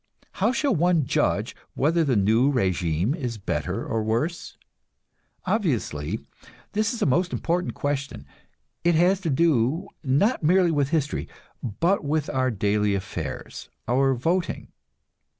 How shall one judge whether the new régime is better or worse? Obviously, this is a most important question; it has to do, not merely with history, but with our daily affairs, our voting.